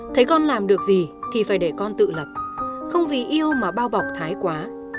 thấy con làm được gì thì phải để con tự lập không vì yêu mà bao bọc thái quá